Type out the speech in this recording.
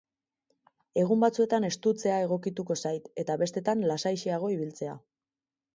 Egun batzuetan estutzea egokituko zait eta besteetan lasaixeago ibiltzea.